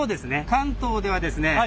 関東ではですね